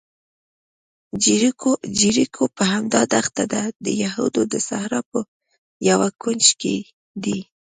جیریکو چې همدا دښته ده، د یهودو د صحرا په یوه کونج کې دی.